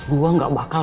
gue gak bakal